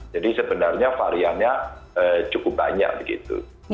jadi sebenarnya variannya cukup banyak begitu